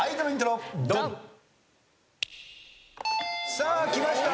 さあきました。